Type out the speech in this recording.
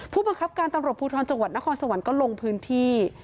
ผู้บังคับการตำรวจภูทรจังหวัดนครสวรรค์ก็ลงพื้นที่